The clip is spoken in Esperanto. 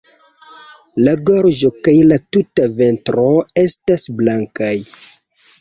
La gorĝo kaj la tuta ventro estas blankaj.